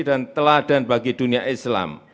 teladan bagi dunia islam